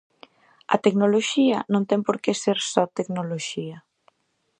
A tecnoloxía non ten porqué ser só tecnoloxía.